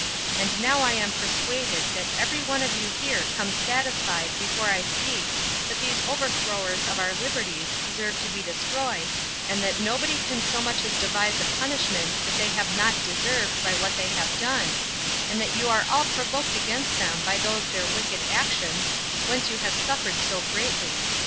And now I am persuaded that every one of you here comes satisfied before I speak that these overthrowers of our liberties deserve to be destroyed, and that nobody can so much as devise a punishment that they have not deserved by what they have done, and that you are all provoked against them by those their wicked actions, whence you have suffered so greatly.